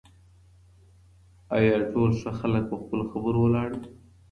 آیا ټول ښه خلک په خپلو خبرو ولاړ وي؟